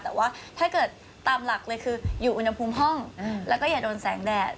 แต่ว่าถ้าเกิดตามหลักเลยคืออยู่อุณหภูมิห้องแล้วก็อย่าโดนแสงแดด